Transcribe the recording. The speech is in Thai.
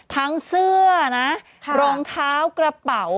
เสื้อนะรองเท้ากระเป๋า